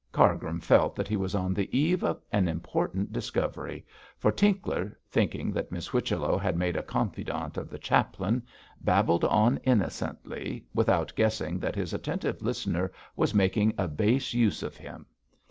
Cargrim felt that he was on the eve of an important discovery; for Tinkler, thinking that Miss Whichello had made a confidant of the chaplain, babbled on innocently, without guessing that his attentive listener was making a base use of him.